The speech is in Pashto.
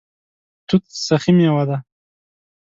توت سخي میوه ده